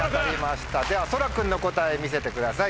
ではそら君の答え見せてください